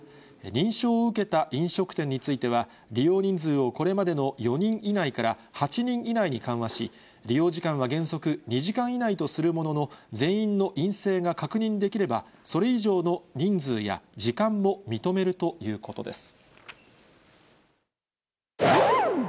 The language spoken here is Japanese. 認証を受けた飲食店については、利用人数をこれまでの４人以内から８人以内に緩和し、利用時間は原則２時間以内とするものの、全員の陰性が確認できればそれ以上の人数や時間も認めるということです。